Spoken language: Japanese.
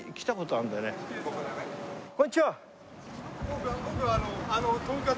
こんにちは。